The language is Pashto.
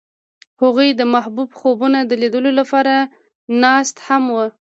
هغوی د محبوب خوبونو د لیدلو لپاره ناست هم وو.